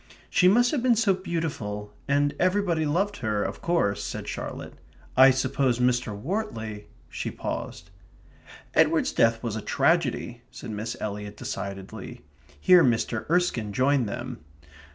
"She must have been so beautiful, and everybody loved her, of course," said Charlotte. "I suppose Mr. Wortley ..." she paused. "Edward's death was a tragedy," said Miss Eliot decidedly. Here Mr. Erskine joined them.